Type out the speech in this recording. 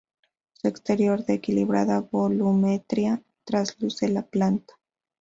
Su exterior, de equilibrada volumetría, trasluce la planta.